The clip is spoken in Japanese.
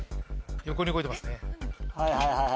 横に動いてますね。